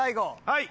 はい。